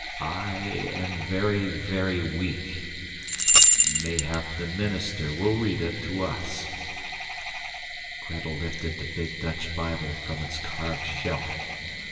I am very, very weak. Mayhap the minister will read it to us." Gretel lifted the big Dutch Bible from its carved shelf. Dr.